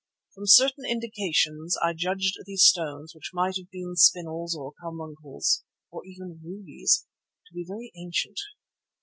From certain indications I judged these stones, which might have been spinels or carbuncles, or even rubies, to be very ancient.